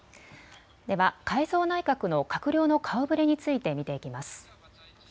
では改造内閣の閣僚の顔ぶれについて見ていきます。